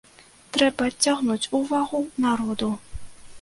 Трэба адцягнуць увагу народу.